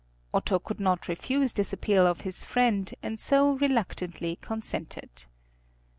Otto could not refuse this appeal of his friend, and so reluctantly consented.